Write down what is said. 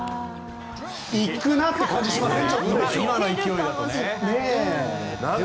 行くなって感じがしません？